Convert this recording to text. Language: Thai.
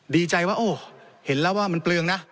ดีใจว่าโอ้เห็นแล้วว่ามันเปลืองนะ